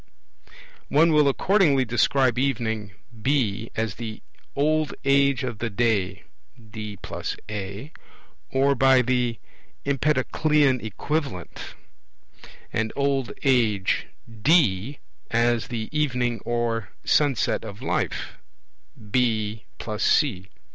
One will accordingly describe evening (B) as the 'old age of the day' (D + A) or by the Empedoclean equivalent; and old age (D) as the 'evening' or 'sunset of life'' (B + C).